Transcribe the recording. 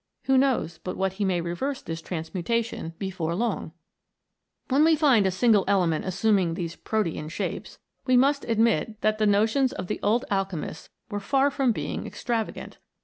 Who knows but what he may reverse this transmutation before long ! When we find a single element assuming these Protean shapes, we must admit that the notions of the old alchemists were far from being extravagant.